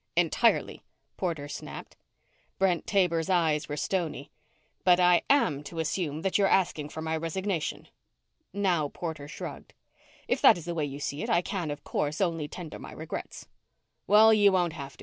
"Entirely," Porter snapped. Brent Taber's eyes were stony. "But I am to assume that you're asking for my resignation." Now Porter shrugged. "If that is the way you see it, I can, of course, only tender my regrets." "Well, you won't have to.